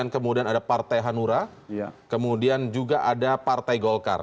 kemudian ada partai hanura kemudian juga ada partai golkar